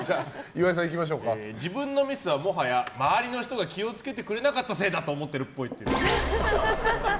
自分のミスはもはや周りの人が気を付けてくれなかったせいだと思っているっぽい。